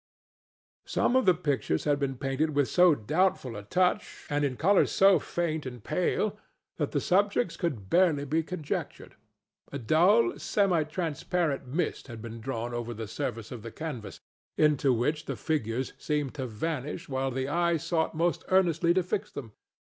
Some of the pictures had been painted with so doubtful a touch, and in colors so faint and pale, that the subjects could barely be conjectured. A dull, semi transparent mist had been thrown over the surface of the canvas, into which the figures seemed to vanish while the eye sought most earnestly to fix them.